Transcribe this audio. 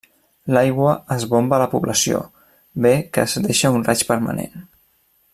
L'aigua es bomba a la població, bé que es deixa un raig permanent.